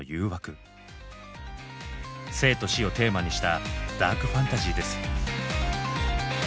生と死をテーマにしたダークファンタジーです。